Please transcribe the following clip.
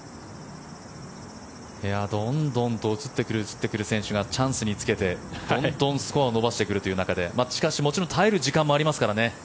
どんどんと映ってくる選手がチャンスにつけてどんどんスコアを伸ばしていく中でしかし、もちろん耐える時間もありますからね